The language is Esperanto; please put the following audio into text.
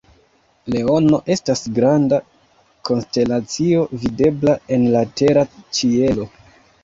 Leono estas granda konstelacio videbla en la tera ĉielo.